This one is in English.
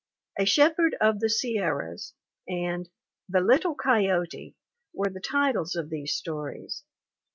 A Shepherd of the Sierras and The Little Coyote were the titles of these stories.